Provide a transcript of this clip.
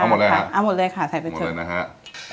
เอาหมดเลยค่ะเอาหมดเลยค่ะใส่ไปเชิญนะฮะ